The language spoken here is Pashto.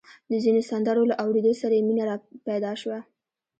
د ځينو سندرو له اورېدو سره يې مينه پيدا شوه.